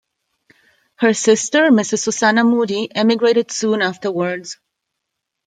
Her sister, Mrs. Susanna Moodie, emigrated soon afterwards.